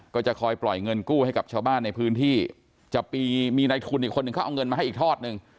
ก็จะคอยปล่อยเงินกู้ให้กับชาวบ้านในพื้นที่จะมีในทุนอีกคนนึงเขาเอาเงินมาให้อีกทอดหนึ่ง